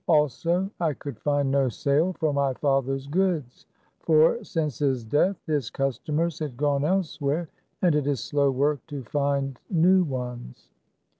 Also, I could find no sale for my father's goods ; for since his death, his customers 132 THE CARAVAN. had gone elsewhere, and it is slow work to find new ones.